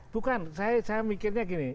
bukan saya mikirnya begini